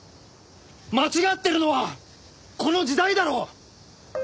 間違ってるのはこの時代だろ！